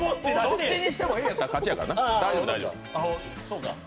どっちにしても、Ａやったら勝ちやからな大丈夫。